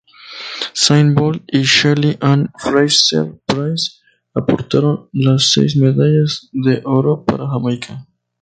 Usain Bolt y Shelly-Ann Fraser-Pryce aportaron las seis medallas de oro para Jamaica.